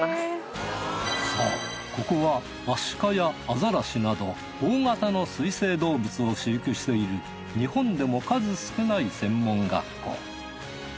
そうここはアシカやアザラシなど大型の水生動物を飼育している日本でも数少ない専門学校。